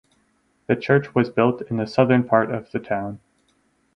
The church was built in the southern part of the town.